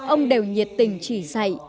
ông đều nhiệt tình chỉ dạy